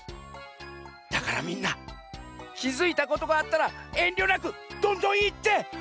だからみんなきづいたことがあったらえんりょなくどんどんいって！